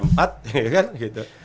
ya kan gitu